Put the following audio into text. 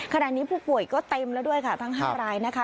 ขณะนี้ผู้ป่วยก็เต็มแล้วด้วยค่ะทั้ง๕รายนะคะ